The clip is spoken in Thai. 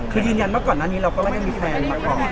คือยืนยันว่าก่อนนั้นเราก็ไม่มีแฟนมาก่อน